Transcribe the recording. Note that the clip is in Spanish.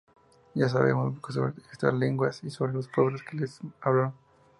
Se sabe muy poco sobre estas lenguas y sobre los pueblos que las hablaron.